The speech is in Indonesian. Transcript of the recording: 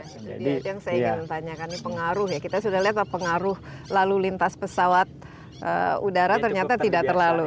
jadi yang saya ingin tanyakan ini pengaruh ya kita sudah lihat pengaruh lalu lintas pesawat udara ternyata tidak terlalu